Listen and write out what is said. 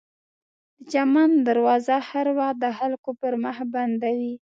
د چمن دروازه هر وخت د خلکو پر مخ بنده وي.